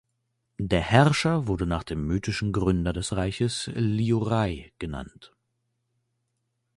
Der Herrscher wurde nach dem mythischen Gründer des Reiches Liurai genannt.